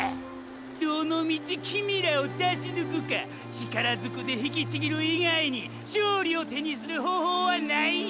⁉どのみちキミィらを出しぬくか力ずくで引きちぎる以外に勝利を手にする方法はないんやから！！